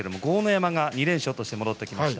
山は２連勝して戻ってきました。